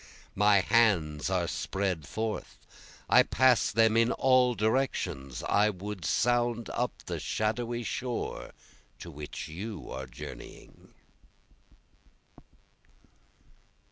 My hands are spread forth, I pass them in all directions, I would sound up the shadowy shore to which you are journeying.